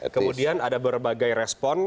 kemudian ada berbagai respon